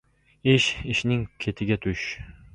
Ish, ishning ketiga tush.